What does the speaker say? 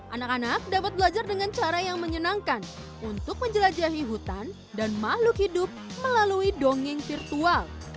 anak anak dapat belajar dengan cara yang menyenangkan untuk menjelajahi hutan dan makhluk hidup melalui dongeng virtual